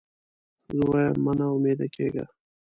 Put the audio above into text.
زه وایم مه نا امیده کېږی.